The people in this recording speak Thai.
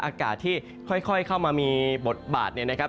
อากาศที่ค่อยเข้ามามีบทบาทเนี่ยนะครับ